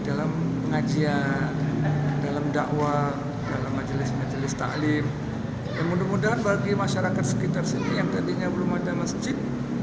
dalam ngajian dalam dakwah dalam majelis majelis ta'lim mudah mudahan bagi masyarakat sekitar sini yang tadinya belum ada masjid